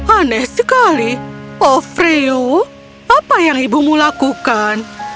aneh sekali oh freyo apa yang ibumu lakukan